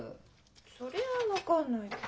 それは分かんないけど。